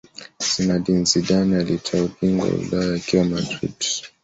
Zinedine Zidane alitwaa ubingwa wa Ulaya akiwa Madrid